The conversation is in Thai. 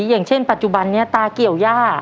อย่างเช่นปัจจุบันนี้ตาเกี่ยวย่า